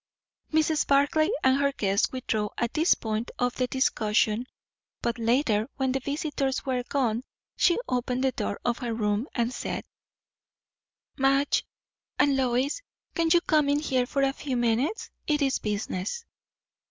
Mrs. Barclay and her guest withdrew at this point of the discussion. But later, when the visitors were gone, she opened the door of her room, and said, "Madge and Lois, can you come in here for a few minutes? It is business."